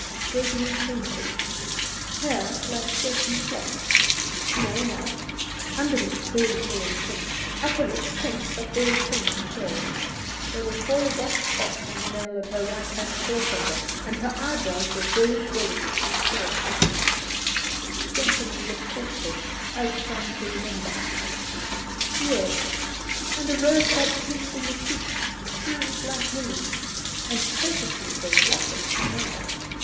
Gregory painted. Hair like silken floss, small mouth, underlip very full and pink, upper lip pink but very thin and curled; there were four white spots on the nail of her right hand forefinger, and her eyebrows were very delicately curved. "Yes; and a rose bud tinge in the cheeks; hands like lilies, and perfectly seraphic smile."